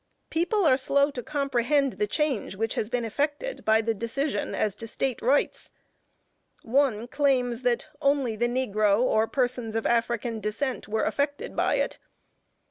People are slow to comprehend the change which has been effected by the decision as to State rights. One, claims that only the negro, or persons of African descent, were affected by it.